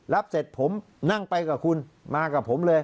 รับเสร็จผมนั่งไปกับคุณมากับผมเลย